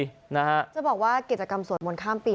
จะบอกว่ากิจกรรมสวดมนต์ข้ามปี